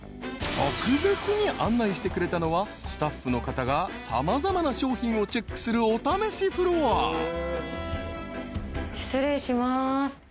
［特別に案内してくれたのはスタッフの方が様々な商品をチェックするお試しフロア］失礼します。